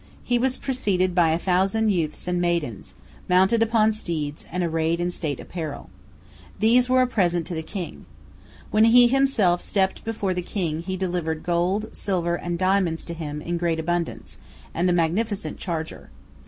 He was preceded by a thousand youths and maidens, mounted upon steeds and arrayed in state apparel. These were a present to the king. When he himself stepped before the king, he delivered gold, silver, and diamonds to him in great abundance, and a magnificent charger.